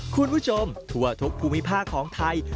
คุณผู้ชมทั่วทุกภูมิภาคของไทย